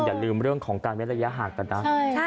อย่าลืมเรื่องของการเมลยาหากละนะ